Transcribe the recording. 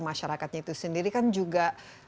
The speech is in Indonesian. masyarakatnya itu sendiri kan juga